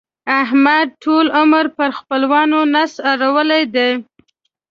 احمد ټول عمر پر خپلوانو نس اړول دی.